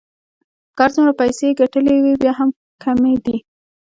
که هر څومره پیسې يې ګټلې وې بیا هم کمې دي.